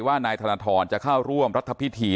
การสืบทอดอำนาจของขอสอชอและยังพร้อมจะเป็นนายกรัฐมนตรี